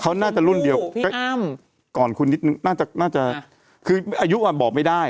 เขาน่าจะรุ่นเดียวก่อนคุณนิดนึงน่าจะน่าจะคืออายุอ่ะบอกไม่ได้